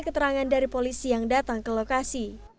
keterangan dari polisi yang datang ke lokasi